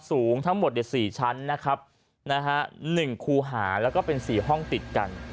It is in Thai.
สูงทั้งหมด๔ชั้นนะครับ๑คูหาแล้วก็เป็น๔ห้องติดกัน